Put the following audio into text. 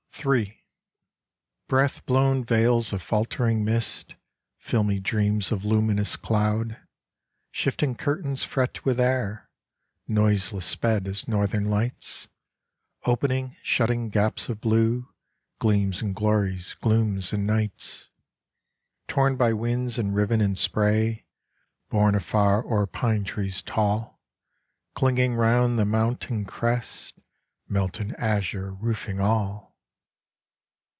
III. Breath blown veils of faltering mist, Filmy dreams of luminous cloud, Shifting curtains fret with air, Noiseless sped as northern lights; Opening, shutting gaps of blue, Gleams and glories, glooms and nights! Torn by winds and riven in spray, Borne afar o'er pine trees tall, Clinging round the mountain crests, Melt in azure roofing all!